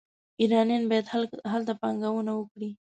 ایرانیان باید هلته پانګونه وکړي.